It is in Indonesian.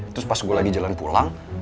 terus pas gue lagi jalan pulang